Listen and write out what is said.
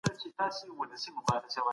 هر افغان پرې ویاړي.